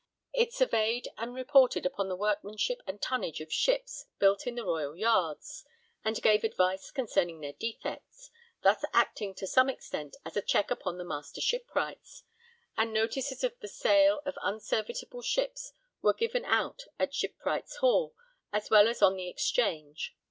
It surveyed and reported upon the workmanship and tonnage of ships built in the royal yards, and gave advice concerning their defects thus acting to some extent as a check upon the master shipwrights and notices of the sale of unserviceable ships were given out at Shipwrights' Hall as well as on the Exchange.